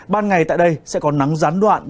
ban ngày tại đây sẽ có nắng rán đoạn